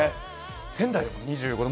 仙台でも２５度。